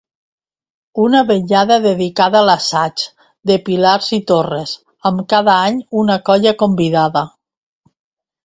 Una vetllada dedicada a l'assaig de pilars i torres amb cada any una colla convidada.